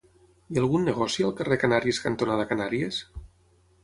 Hi ha algun negoci al carrer Canàries cantonada Canàries?